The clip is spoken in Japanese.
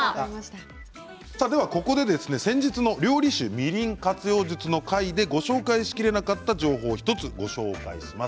ここで先日の料理酒みりん活用術の回でご紹介しきれなかった情報を１つご紹介します。